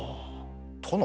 殿。